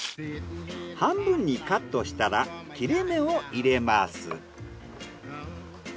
半分にカットしたら切れ目を入れます。